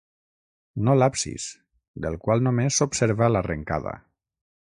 No l'absis, del qual només s'observa l'arrencada.